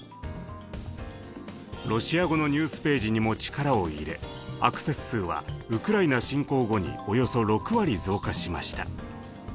ロシア語のニュースページにも力を入れアクセス数はウクライナ侵攻後におよそ６割増加しました。